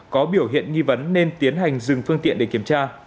có biểu hiện nghi vấn nên tiến hành dừng phương tiện để kiểm tra